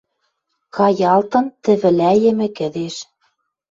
Каялтын тӹвӹлӓйӹмӹ кӹдеж